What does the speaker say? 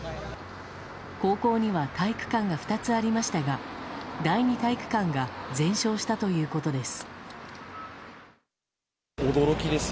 高校には体育館が２つありましたが第２体育館が全焼したということです。